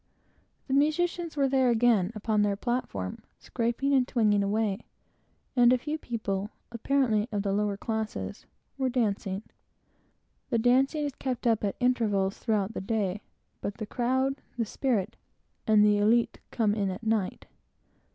The musicians were still there, upon their platform, scraping and twanging away, and a few people, apparently of the lower classes, were dancing. The dancing is kept up, at intervals, throughout the day, but the crowd, the spirit, and the élite, come in at night.